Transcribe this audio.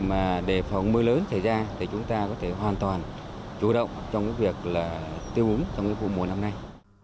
khi mà để phòng mưa lớn xảy ra thì chúng ta có thể hoàn toàn chủ động trong việc tiêu úng trong vùng mùa năm nay